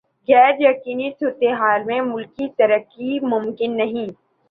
غیر یقینی صورتحال میں ملکی ترقی ممکن نہیں۔